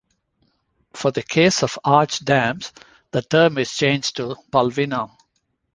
For the case of arch dams, the term is changed to "pulvino".